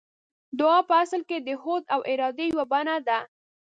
دعا په اصل کې د هوډ او ارادې يوه بڼه ده.